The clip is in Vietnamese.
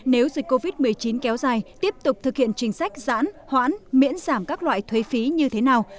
nếu dịch covid một mươi chín kéo dài tiếp tục thực hiện chính sách giãn hoãn miễn giảm các loại thuế phí như thế nào